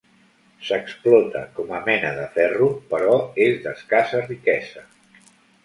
S'explota com mena de ferro, però és d'escassa riquesa.